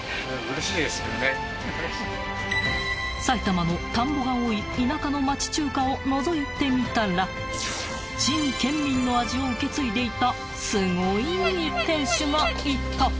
［埼玉の田んぼが多い田舎の町中華をのぞいてみたら陳建民の味を受け継いでいたスゴいい店主がいた］